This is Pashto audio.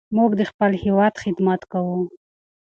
موږ د خپل هېواد خدمت کوو.